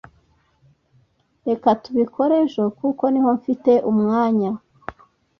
Reka tubikore ejo kuko niho mfite umwanya